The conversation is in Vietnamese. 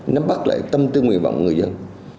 nắm bắt lại tâm tư nguyện vọng người dân